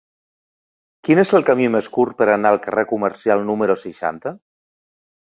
Quin és el camí més curt per anar al carrer Comercial número seixanta?